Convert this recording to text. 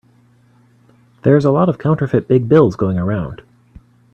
There's a lot of counterfeit big bills going around.